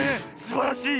すばらしい。